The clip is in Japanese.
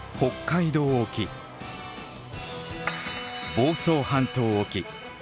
房総半島沖。